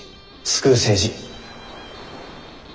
救う政治。